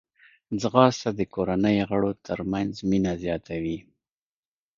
ځغاسته د کورنۍ غړو ترمنځ مینه زیاتوي